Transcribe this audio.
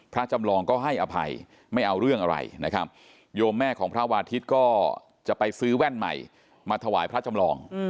จำลองก็ให้อภัยไม่เอาเรื่องอะไรนะครับโยมแม่ของพระวาทิศก็จะไปซื้อแว่นใหม่มาถวายพระจำลอง